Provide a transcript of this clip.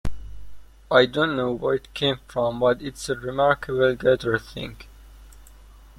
I don't know where it came from but it's a remarkable guitar thing.